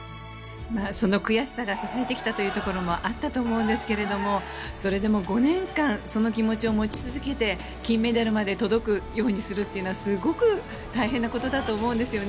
その悔しさが支えてきたというところもあったと思うんですがそれでも５年間その気持ちを持ち続けて金メダルまで届くようにするというのはすごく大変なことだと思うんですよね。